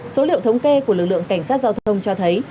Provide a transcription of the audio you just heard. số liệu thống kê của lực lượng cảnh sát giao thông cho thấy